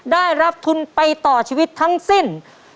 ได้รับทุนไปต่อชีวิตทั้งสิ้น